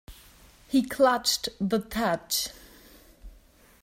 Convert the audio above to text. He clutched the thatch.